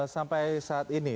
sampai saat ini